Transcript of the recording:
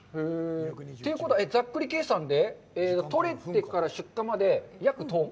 ということは、ざっくり計算で、取れてから出荷まで、約１０日？